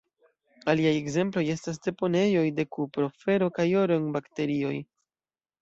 Aliaj ekzemploj estas deponejoj de kupro, fero kaj oro en bakterioj.